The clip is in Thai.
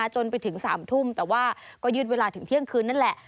จนไปถึง๓ทุ่มแต่ว่าก็ยืดเวลาถึงเที่ยงคืนนั่นแหละ